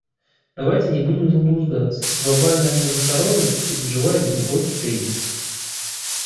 Давайте не будем заблуждаться: глобальная многосторонность переживает глубокий кризис.